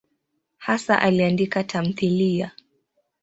Hasa aliandika tamthiliya.